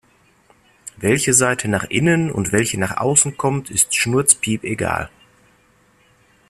Welche Seite nach innen und welche nach außen kommt, ist schnurzpiepegal.